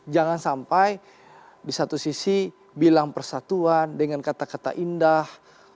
jangan sampai di satu sisi bilang persatuan dengan kata kata indah